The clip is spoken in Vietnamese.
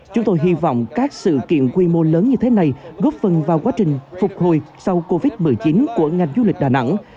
chúng tôi hy vọng các sự kiện quy mô lớn như thế này góp phần vào quá trình phục hồi sau covid một mươi chín của ngành du lịch đà nẵng